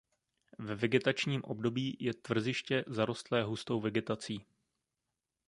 Ve vegetačním období je tvrziště zarostlé hustou vegetací.